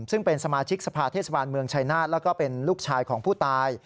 ซึ่งเป็นสมาชิกสภาเทศบาลเมืองชายนาฏแล้วก็เป็นลูกชายของผู้ตาย